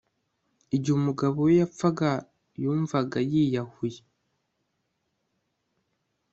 Igihe umugabo we yapfaga yumvaga yiyahuye